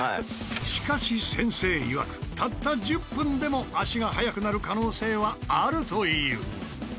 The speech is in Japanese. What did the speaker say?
しかし先生いわくたった１０分でも足が速くなる可能性はあるという。